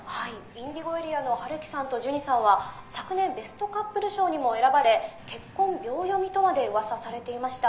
ＩｎｄｉｇｏＡＲＥＡの陽樹さんとジュニさんは昨年ベストカップル賞にも選ばれ結婚秒読みとまで噂されていました。